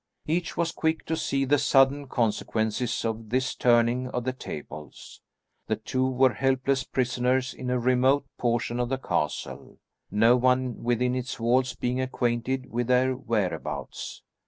Each was quick to see the sudden consequences of this turning of the tables; the two were helpless prisoners in a remote portion of the castle, no one within its walls being acquainted with their whereabouts.